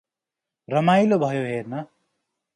रमाइलो भयो हेर्न।